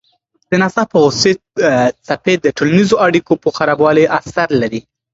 د ناڅاپه غوسې څپې د ټولنیزو اړیکو په خرابوالي اثر لري.